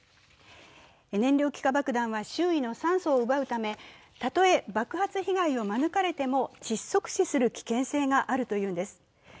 燃料気化爆弾は周囲の酸素を奪うためたとえ爆発被害を免れても窒息死する危険性があるというのです。